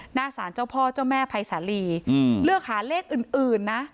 หน้าสารเจ้าพ่อเจ้าแม่ภัยสาลีเลือกหาเลขอื่นนะ